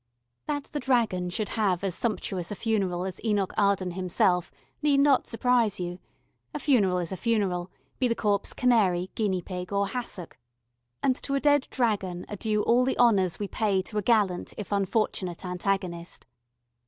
That the dragon should have as sumptuous a funeral as Enoch Arden himself, need not surprise you: a funeral is a funeral, be the corpse canary, guinea pig, or hassock, and to a dead dragon are due all the honours we pay to a gallant if unfortunate antagonist.